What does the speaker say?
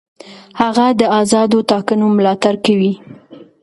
هغه د آزادو ټاکنو ملاتړ کوي.